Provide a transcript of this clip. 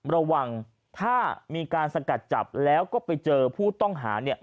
ระวังถ้ามีการสกัดจับแล้วก็ไปเจอผู้ต้องหาเนี่ย